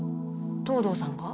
東堂さんが？